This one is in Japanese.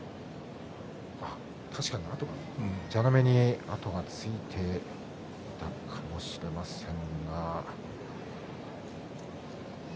確かに蛇の目に跡がついていたのかもしれません。